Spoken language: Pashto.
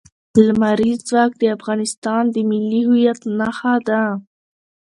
لمریز ځواک د افغانستان د ملي هویت نښه ده.